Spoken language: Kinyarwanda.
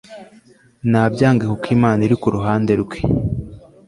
Nabyange Kuk Imana Irikuruhande Rwe